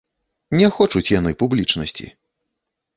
Не хочуць яны публічнасці.